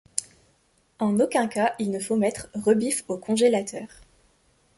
En aucun cas, il ne faut mettre Rebif au congélateur.